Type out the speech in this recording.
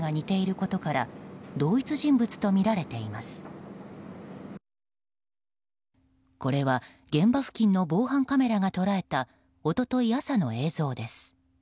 これは現場付近の防犯カメラが捉えた一昨日朝の映像です。